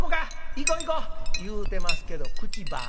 『行こ行こ』言うてますけど口ばっかり。